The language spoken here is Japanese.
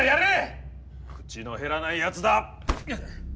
口の減らないやつだ。